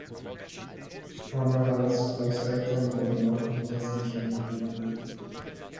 Anarals Großeltern wurden noch in dieser Siedlung geboren.